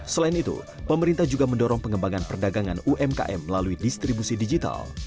selain itu pemerintah juga mendorong pengembangan perdagangan umkm melalui distribusi digital